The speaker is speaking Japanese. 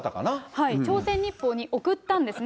朝鮮日報に送ったんですね。